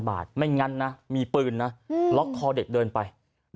บาทไม่งั้นนะมีปืนนะล็อกคอเด็กเดินไป